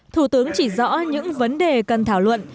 thủ tướng chỉ rõ những vấn đề cần thảo luận